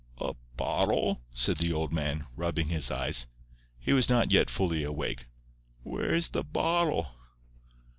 "A bottle?" said the old man, rubbing his eyes. He was not yet fully awake. "Where is the bottle?"